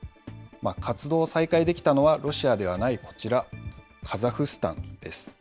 活動を再開できたのは、ロシアではないこちら、カザフスタンです。